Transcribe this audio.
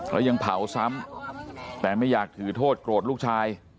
แล้วยังเผาซ้ำแต่ไม่อยากถือโทษโกรธลูกชาย